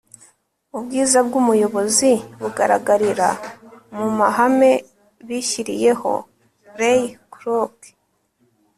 ubwiza bw'umuyobozi bugaragarira mu mahame bishyiriyeho. - ray kroc